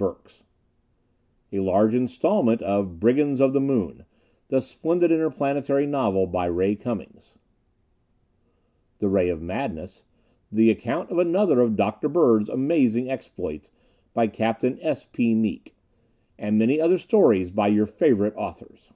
Burks A Large Instalment of BRIGANDS of the MOON The Splendid Interplanetary Novel By Ray Cummings The RAY of MADNESS The Account of Another of Dr. Bird's Amazing Exploits By Captain S. P. Meek _And Many Other Stories by Your Favorite Authors!